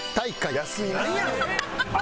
安いなあ。